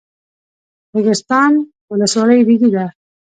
د ریګستان ولسوالۍ ریګي ده